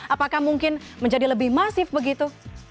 apakah mungkin menjadi lebih masif begitu